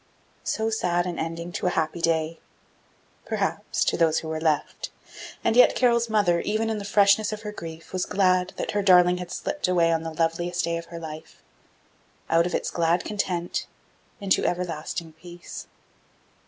So sad an ending to a happy day! Perhaps to those who were left and yet Carol's mother, even in the freshness of her grief, was glad that her darling had slipped away on the loveliest day of her life, out of its glad content, into everlasting peace.